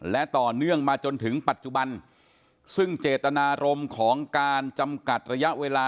และต่อเนื่องมาจนถึงปัจจุบันซึ่งเจตนารมณ์ของการจำกัดระยะเวลา